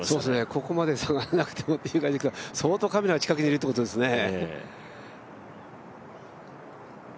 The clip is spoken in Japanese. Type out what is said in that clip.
ここまで下がらなくてもっていう感じですが相当カメラが近くにいるということですね。